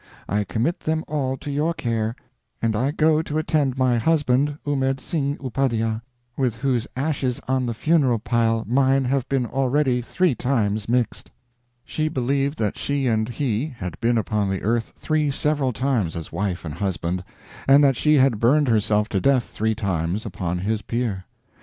I commit them all to your care, and I go to attend my husband, Ummed Singh Upadhya, with whose ashes on the funeral pile mine have been already three times mixed." She believed that she and he had been upon the earth three several times as wife and husband, and that she had burned herself to death three times upon his pyre.